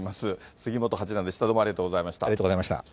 杉本八段でした、どうもありがとありがとうございました。